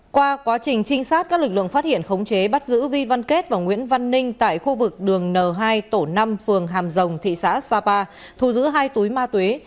qua quá trình trinh sát các lực lượng phát hiện khống chế bắt giữ vi văn kết và nguyễn văn ninh tại khu vực đường n hai tổ năm phường hàm rồng thị xã sapa thu giữ hai túi ma túy